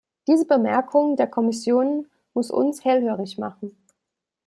Diese Bemerkung der Kommission muss uns hellhörig machen.